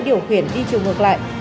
điều khiển đi chiều ngược lại